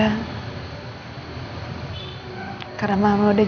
karena mama sudah jadi pause yang terbaik bagahku